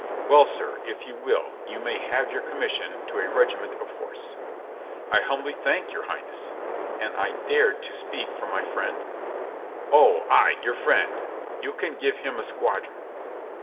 128 COLONEL GREATHEART Well, sir, if you will, you may have your commis sion to a regiment of horse." "I humbly thank your Highness. And I dared to speak for my friend?" "Oh, ay, your friend. You can give him a squadron."